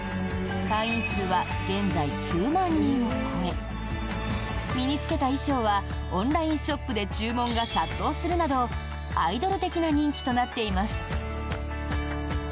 会員数は現在、９万人を超え身に着けた衣装はオンラインショップで注文が殺到するなどアイドル的な人気となっています。